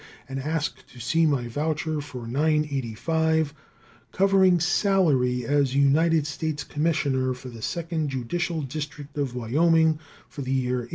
and ask to see my voucher for $9.85, covering salary as United States commissioner for the Second Judicial District of Wyoming for the year 1882.